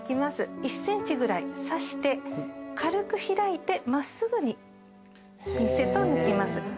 １ｃｍぐらい挿して軽く開いて真っすぐにピンセットを抜きます。